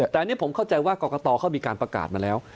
แต่อันนี้ผมเข้าใจว่ากรกตเขามีการประกาศมาแล้ว